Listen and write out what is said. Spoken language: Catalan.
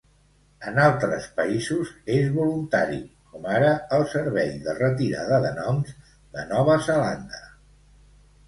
En altres països és voluntari, com ara el Servei de Retirada de Noms de Nova Zelanda.